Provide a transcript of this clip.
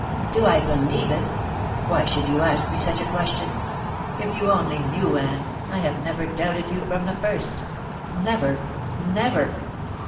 "Do I believe it? Why should you ask me such a question? If you only knew, Anne, I have never doubted you from the first. Never! never!"